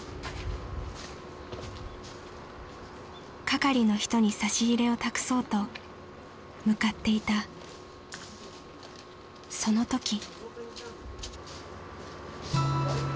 ［係の人に差し入れを託そうと向かっていたそのとき］